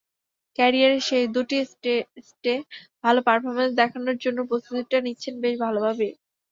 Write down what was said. ক্যারিয়ারের শেষ দুটি টেস্টে ভালো পারফরম্যান্স দেখানোর জন্য প্রস্তুতিটা নিচ্ছেন বেশ ভালোভাবেই।